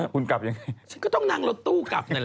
คุณกลับยังไงฉันก็ต้องนั่งรถตู้กลับนั่นแหละ